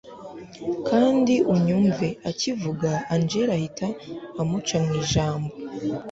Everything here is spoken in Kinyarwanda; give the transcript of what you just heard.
kandi unyumve akivuga angella ahita amuca mwijambo